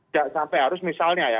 tidak sampai harus misalnya ya